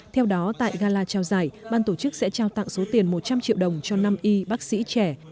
theo đó tại gala trao giải ban tổ chức sẽ trao tặng số tiền một trăm linh triệu đồng cho năm y bác sĩ trẻ